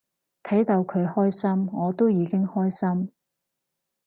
睇到佢開心我都已經開心